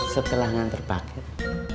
setelah ngantar paket